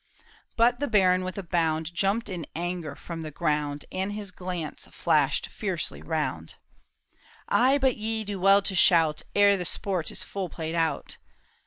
But the baron with a bound, Jump'd in anger from the ground, And his glance flashed fiercely round. *' Ah, but ye do well to shout Ere the sport is full played out